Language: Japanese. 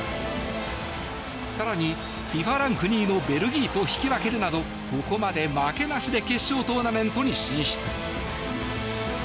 更に、ＦＩＦＡランク２位のベルギーと引き分けるなどここまで負けなしで決勝トーナメントに進出。